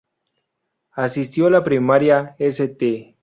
Asistió a la primaria St.